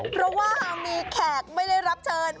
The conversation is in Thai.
เพราะว่ามีแขกไม่ได้รับเชิญ